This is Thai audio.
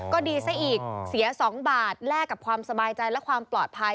ก็ดีซะอีกเสีย๒บาทแลกกับความสบายใจและความปลอดภัย